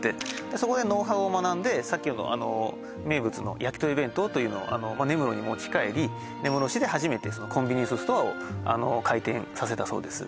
そこでノウハウを学んでさっきのあの名物のやきとり弁当というのを根室に持ち帰り根室市で初めてコンビニエンスストアを開店させたそうです